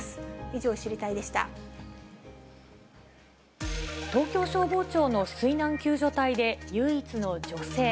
以上、東京消防庁の水難救助隊で唯一の女性。